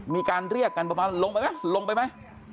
มีการเรียกกันประมาณลงไปไหม